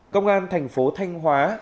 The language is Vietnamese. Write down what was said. công an thành phố thanh hóa